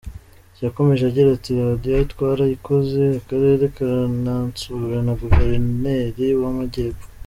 Yakomeje agira ati “Radio twarayikoze, Akarere karanansura na guverineri w’Amajyepfo.